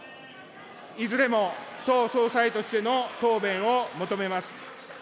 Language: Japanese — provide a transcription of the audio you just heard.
いずれも党総裁としての答弁を求めます。